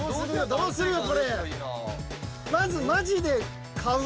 ・どうするこれ？